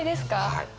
はい。